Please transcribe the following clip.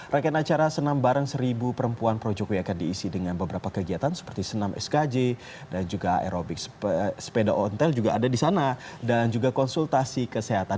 rangkaian acara senam barang seribu perempuan pro jokowi akan diisi dengan beberapa kegiatan seperti senam skj dan juga aerobik sepeda ontel juga ada di sana dan juga konsultasi kesehatan